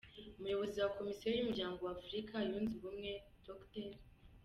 Umuyobozi wa Komisiyo y’Umuryango wa Afurika Yunze Ubumwe, Dr.